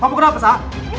kamu kenapa sah